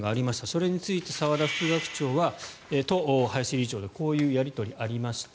それについて澤田副学長と林理事長でこういうやり取り、ありました。